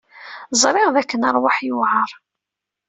Ẓriɣ dakken ṛṛwaḥ yewɛeṛ.